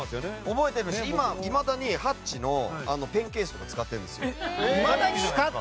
覚えてるし、いまだに「ハッチ」のペンケースとか使ってるんですよ。